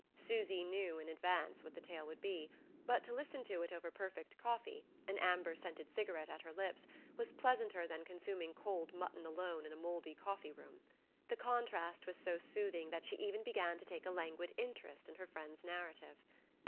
Susy knew in advance what the tale would be; but to listen to it over perfect coffee, an amber scented cigarette at her lips, was pleasanter than consuming cold mutton alone in a mouldy coffee room. The contrast was so soothing that she even began to take a languid interest in her friend's narrative.